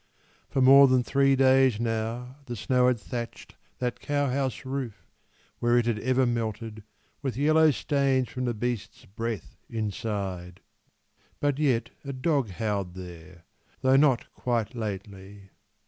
For more than three days now the snow had thatched That cow house roof where it had ever melted With yellow stains from the beasts' breath inside; But yet a dog howled there, though not quite lately.